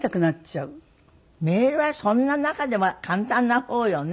メールはそんな中では簡単な方よね？